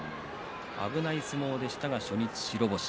危ない相撲でしたが初日白星。